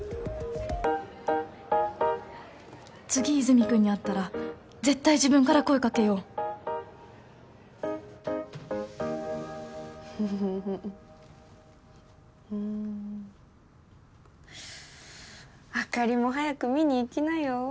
次和泉君に会ったら絶対自分から声かけようフフフあかりも早く見に行きなよ